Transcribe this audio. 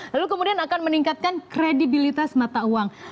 lalu kemudian akan meningkatkan kredibilitas mata uang